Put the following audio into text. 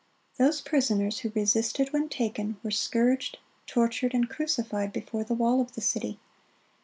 Those prisoners who resisted when taken, were scourged, tortured, and crucified before the wall of the city.